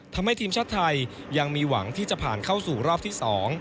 ทำให้ทีมชาติไทยยังมีหวังที่จะผ่านเข้าสู่รอบที่๒